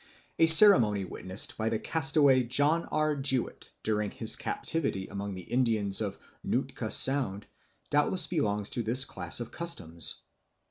A ceremony witnessed by the castaway John R. Jewitt during his captivity among the Indians of Nootka Sound doubtless belongs to this class of customs.